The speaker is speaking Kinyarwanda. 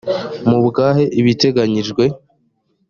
mubwahe ibiteganijwe .